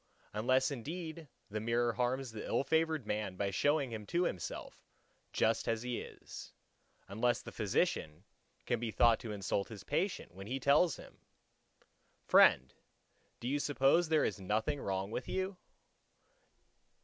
Unless indeed the mirror harms the ill favoured man by showing him to himself just as he is; unless the physician can be thought to insult his patient, when he tells him:—"Friend, do you suppose there is nothing wrong with you?